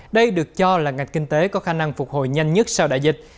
đây được cho là ngành kinh tế có khả năng phục hồi nhanh nhất sau đại dịch